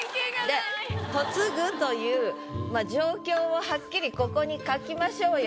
で嫁ぐという状況をはっきりここに書きましょうよ。